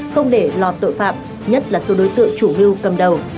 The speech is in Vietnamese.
không để lọt tội phạm nhất là số đối tượng chủ mưu cầm đầu